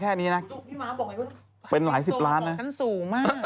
วันนี้หรอวันนี้ไปไหนไม่รู้